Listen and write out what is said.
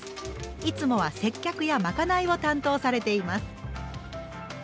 いつもは接客やまかないを担当されています。